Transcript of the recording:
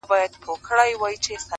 • د همدې خرقې په زور پهلوانان وه ,